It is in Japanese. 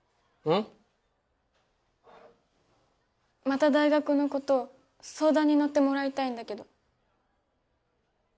また大学のこと相談に乗ってもらいたいんだけど。